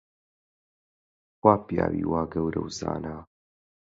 کوا پیاوی وا گەورە و زانا؟